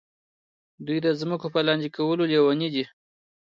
دوی د ځمکو په لاندې کولو لیوني دي.